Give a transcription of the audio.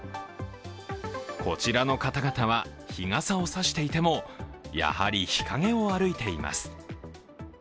こちらの方々は日傘を差していてもやはり日陰を歩いています。